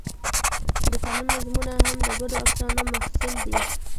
د قانون نظامونه هم د ګډو افسانو محصول دي.